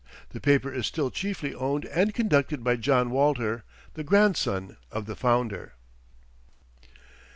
The paper is still chiefly owned and conducted by John Walter, the grandson of the founder.